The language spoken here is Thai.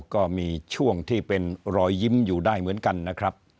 ก็มีช่วงที่เป็นรอยยิ้มอยู่ได้เหมือนกันนะครับ